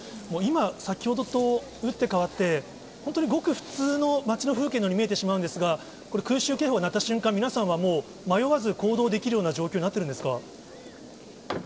今、先ほどと打って変わって、本当にごく普通の街の風景のように見えてしまうんですが、これ、空襲警報が鳴った瞬間、皆さんはもう、迷わず行動できるような状況になってるんですか？